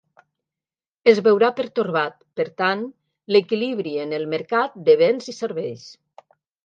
Es veurà pertorbat, per tant, l'equilibri en el mercat de béns i serveis.